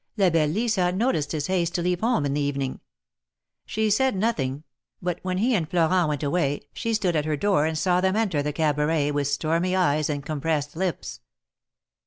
La belle Lisa noticed his haste to leave home in the evening. She said nothing; but when he and Florent 11 174 THE MARKETS OF PARIS. went away, she stood at lier door and saw them enter the Cabaret with stormy eyes and compressed lips.